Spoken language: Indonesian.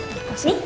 baik ya sayang